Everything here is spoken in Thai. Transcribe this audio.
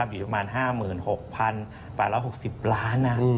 อยู่ประมาณ๕๖๘๖๐ล้านนะ